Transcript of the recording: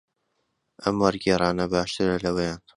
ئەم وەرگێڕانە باشترە لەوەیان.